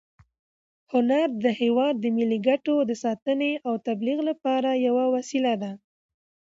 هنر د هېواد د ملي ګټو د ساتنې او تبلیغ لپاره یوه وسیله ده.